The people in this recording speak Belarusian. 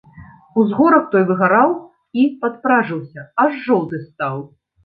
Узгорак той выгараў і падпражыўся, аж жоўты стаў.